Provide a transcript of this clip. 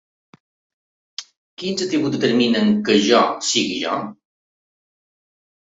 Quins atributs determinen que ‘jo’ sigui ‘jo’?